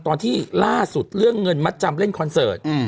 ตอนที่ล่าสุดเรื่องเงินมัดจำเล่นคอนเสิร์ต